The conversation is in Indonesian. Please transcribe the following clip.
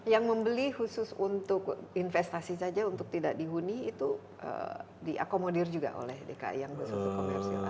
yang membeli khusus untuk investasi saja untuk tidak dihuni itu diakomodir juga oleh dki yang komersial